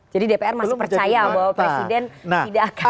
jadi dpr masih percaya bahwa presiden tidak akan